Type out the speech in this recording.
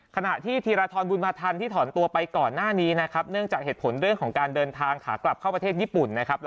ขณะที่ธีรทรบุญมาทันที่ถอนตัวไปก่อนหน้านี้นะครับเนื่องจากเหตุผลเรื่องของการเดินทางขากลับเข้าประเทศญี่ปุ่นนะครับ